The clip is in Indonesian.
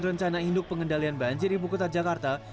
rencana induk pengendalian banjir ibu kota jakarta